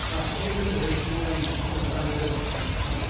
ＮＨＫの「レッツゴーヤング」とかも２３回出たことありますし。